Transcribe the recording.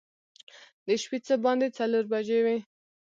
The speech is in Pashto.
د شپې څه باندې څلور بجې وې.